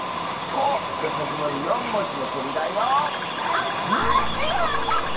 あっああっ⁉スイもわかった！